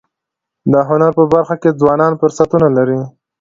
د هنر په برخه کي ځوانان فرصتونه لري.